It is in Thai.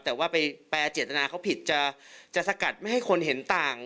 แต่ว่าไปแปลเจตนาเขาผิดจะสกัดไม่ให้คนเห็นต่าง